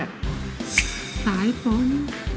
ฝิ้นสายพอง